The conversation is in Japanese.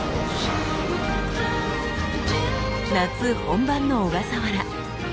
夏本番の小笠原。